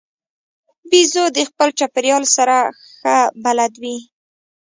بیزو د خپل چاپېریال سره ښه بلد وي.